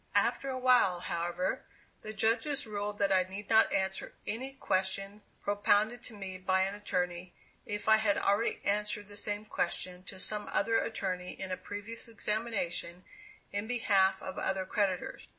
After a while, however, the judges ruled that I need not answer any question propounded to me by an attorney, if I had already answered the same question to some other attorney in a previous examination in behalf of other creditors.